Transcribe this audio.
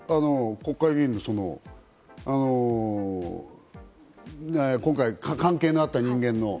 国会議員の今回関係のあった人間の。